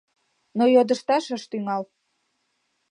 Но йодышташ ыш тӱҥал.